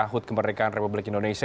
hut kemerdekaan republik indonesia